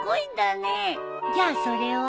じゃあそれは？